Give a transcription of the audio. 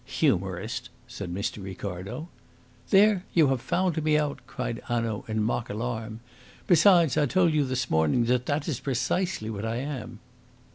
"Humorist!" said Mr. Ricardo. "There! you have found me out!" cried Hanaud, in mock alarm. "Besides, I told you this morning that that is precisely what I am."